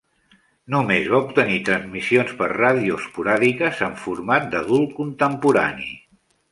Només va obtenir transmissions per ràdio esporàdiques en format d'adult contemporani.